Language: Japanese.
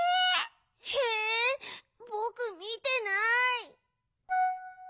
えぼくみてない。